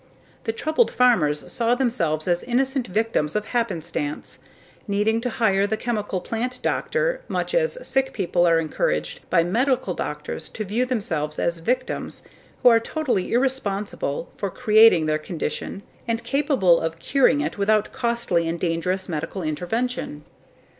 The troubled farmers saw themselves as innocent victims of happenstance, needing to hire the chemical plant doctor much as sick people are encouraged by medical doctors to view themselves as victims, who are totally irresponsible for creating their condition and incapable of curing it without costly and dangerous medical intervention.